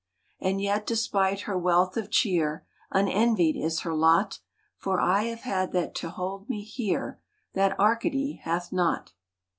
And yet despite her wealth of cheer, Unenvied is her lot ; For I have that to hold me here That Arcady hath not